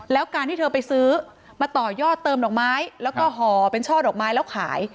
แล้วการที่เธอไปซื้อมาต่อยอดเติมดอกไม้แล้วก็ห่อเป็นช่อดอกไม้แล้วขาย